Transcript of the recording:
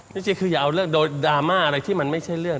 จริงคืออย่าเอาเรื่องโดยดราม่าอะไรที่มันไม่ใช่เรื่อง